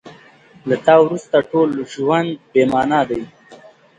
له تا وروسته ټول ژوند بې مانا دی.